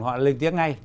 họ lên tiếng ngay